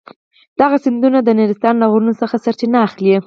دغه سیندونه د نورستان له غرونو څخه سرچینه اخلي.